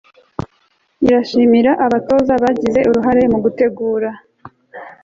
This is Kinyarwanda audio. irashimira abatoza bagize uruhare mu gutegura